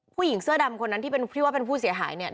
ผู้หญิงเสื้อดำคนนั้นที่เป็นที่ว่าเป็นผู้เสียหายเนี่ย